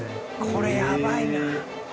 これやばいな。